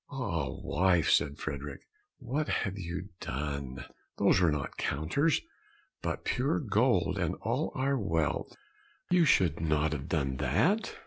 "Ah, wife," said Frederick, "what have you done? Those were not counters, but pure gold, and all our wealth; you should not have done that."